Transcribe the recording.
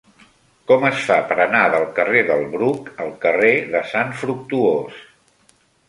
Com es fa per anar del carrer del Bruc al carrer de Sant Fructuós?